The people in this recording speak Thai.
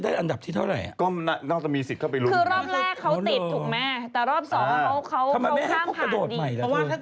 ได้อันดับที่เท่าไรรู้ไหม๒๑